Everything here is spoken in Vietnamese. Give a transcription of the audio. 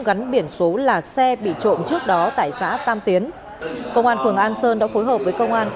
gắn biển số là xe bị trộm trước đó tại xã tam tiến công an phường an sơn đã phối hợp với công an